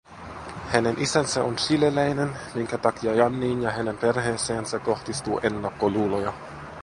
Hänen isänsä on chileläinen, minkä takia Janniin ja hänen perheeseensä kohdistuu ennakkoluuloja